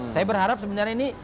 saya berharap sebenarnya ini